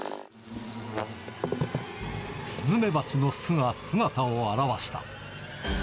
スズメバチの巣が姿を現した。